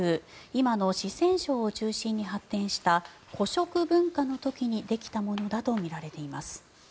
今の四川省を中心に発展した古蜀文化の時にできたものだとみられています。